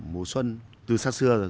mùa xuân từ xa xưa